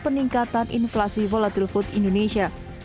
peningkatan inflasi volatil food indonesia